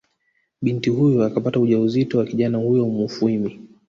Binti huyo akapata ujauzito wa kijana huyo Mufwini